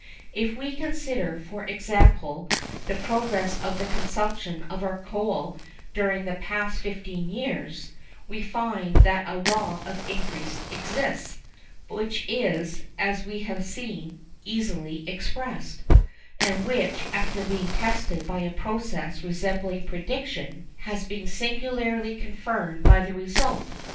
If we consider, for example, the progress of the consumption of our coal during the past fifteen years, we find that a law of increase exists, which is, as we have seen, easily expressed, and which, after being tested by a process resembling prediction, has been singularly confirmed by the result.